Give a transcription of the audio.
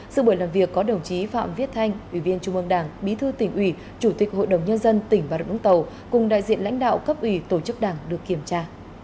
sự buổi làm việc có đồng chí phạm viết thanh ủy viên trung ương đảng bí thư tỉnh ủy chủ tịch hội đồng nhân dân tỉnh bà rượu úng tàu cùng đại diện lãnh đạo cấp ủy tổ chức đảng được kiểm tra